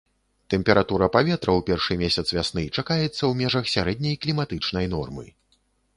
Тэмпература паветра ў першы месяц вясны чакаецца ў межах сярэдняй кліматычнай нормы.